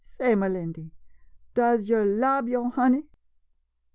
] Say, Melindy, does yo' lub yo' honey